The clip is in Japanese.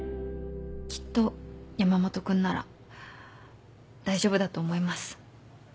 きっと山本君なら大丈夫だと思います。